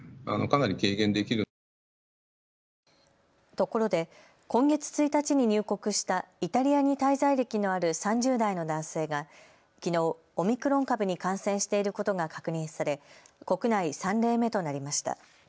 ところで今月１日に入国したイタリアに滞在歴のある３０代の男性がきのう、オミクロン株に感染していることが確認され国内３例目となりました。